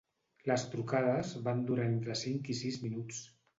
Les trucades van durar entre cinc i sis minuts.